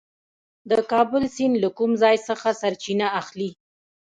د کابل سیند له کوم ځای څخه سرچینه اخلي؟